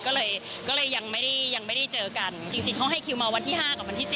ก็เลยยังไม่ได้ยังไม่ได้เจอกันจริงเขาให้คิวมาวันที่๕กับวันที่๗